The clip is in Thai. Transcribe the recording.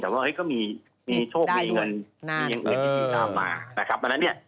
แต่ว่าเฮ้ยก็มีมีโชคมีเงินนานเออนะครับอันนั้นเนี้ย